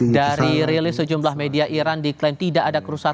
dari rilis sejumlah media iran diklaim tidak ada kerusakan